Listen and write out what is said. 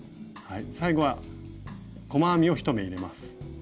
最後は細編みを１目入れます。